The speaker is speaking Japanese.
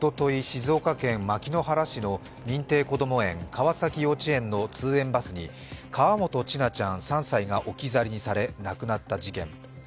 静岡県牧之原市の認定こども園、川崎幼稚園の通園バスに河本千奈ちゃん３歳が置き去りにされ、亡くなった事件。